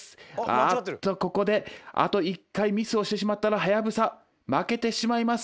あっとここであと１回ミスをしてしまったらハヤブサ負けてしまいます。